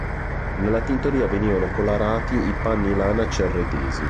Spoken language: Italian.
Nella tintoria venivano colorati i panni lana cerretesi.